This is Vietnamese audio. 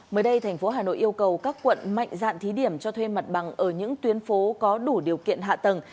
mới đây thành phố hà nội yêu cầu các quận mạnh dạn thí điểm cho thuê mặt bằng ở những tuyến phố có đủ điều kiện hạ tầng